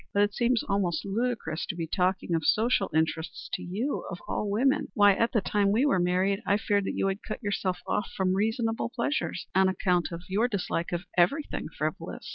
But it seems almost ludicrous to be talking of social interests to you, of all women. Why, at the time we were married, I feared that you would cut yourself off from reasonable pleasures on account of your dislike of everything frivolous.